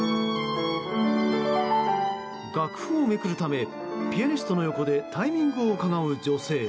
楽譜をめくるためピアニストの横でタイミングをうかがう女性。